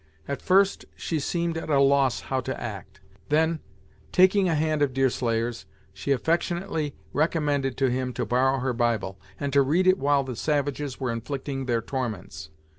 At first she seemed at a loss how to act; then, taking a hand of Deerslayer's she affectionately recommended to him to borrow her Bible, and to read it while the savages were inflicting their torments.